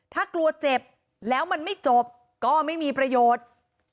ถ้ากลัวเจ็บแล้วมันไม่จบก็ไม่มีประโยชน์